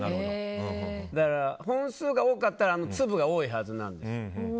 だから、本数が多かったら粒が多いはずなんです。